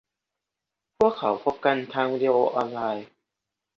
พวกเขาพบกันผ่านทางวีดีโอออนไลน์